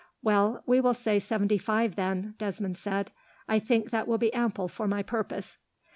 "Well, we will say seventy five, then," Desmond said. "I think that will be ample for my purpose."